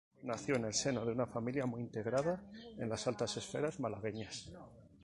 Nació en el seno de una familia muy integrada en las altas esferas malagueñas.